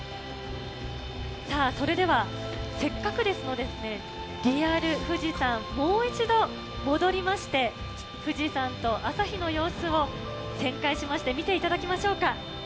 さあ、それではせっかくですので、リアル富士山、もう一度戻りまして、富士山と朝日の様子を、旋回しまして見ていただきましょうか。